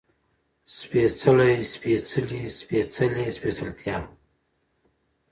سپېڅلی، سپېڅلې، سپېڅلي، سپېڅلتيا